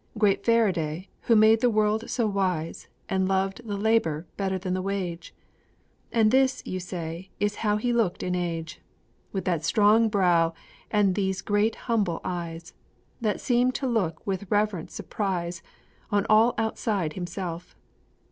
Great Faraday, who made the world so wise, And loved the labor better than the wage! And this, you say, is how he looked in age, With that strong brow and these great humble eyes That seem to look with reverent surprise On all outside himself.